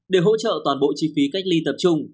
để hỗ trợ toàn bộ chi phí cách ly tập trung